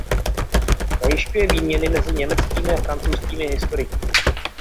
Zajišťuje výměny mezi německými a francouzskými historiky.